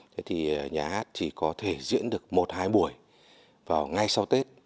thế thì nhà hát chỉ có thể diễn được một hai buổi vào ngay sau tết